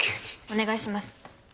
お願いします！